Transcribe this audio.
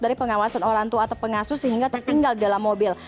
dari pengawasan orang tua atau pengasuh sehingga tertinggal dalam mobil